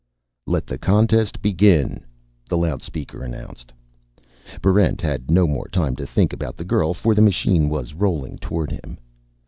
"Let the contest begin!" the loudspeaker announced. Barrent had no more time to think about the girl, for the machine was rolling toward him.